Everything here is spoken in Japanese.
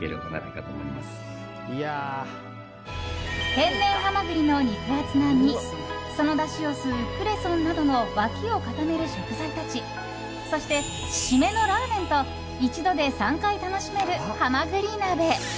天然ハマグリの肉厚な身そのだしを吸うクレソンなどの脇を固める食材たちそして締めのラーメンと一度で３回楽しめる、はまぐり鍋。